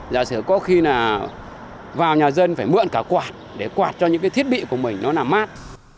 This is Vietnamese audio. giả sử có khi là vào nhà dân phải mượn cả quạt để quạt cho những cái thiết bị của mình nó nằm mát